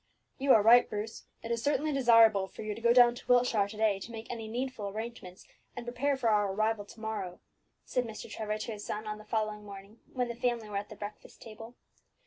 "You are right, Bruce; it is certainly desirable for you to go down to Wiltshire to day to make any needful arrangements, and prepare for our arrival to morrow," said Mr. Trevor to his son on the following morning, when the family were at the breakfast table.